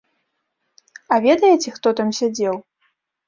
А ведаеце, хто там сядзеў?